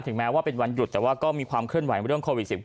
แม้ว่าเป็นวันหยุดแต่ว่าก็มีความเคลื่อนไหวเรื่องโควิด๑๙